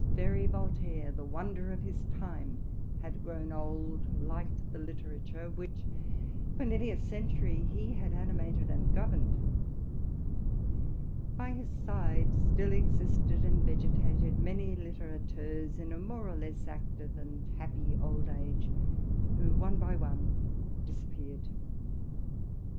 very Voltaire, the wonder of his time, had evown old, like the literature which for nearly a century he had animated and governed. By his side still existed and vegetated many littérateurs, in a more or less active and happy old age, who one by one disappeared.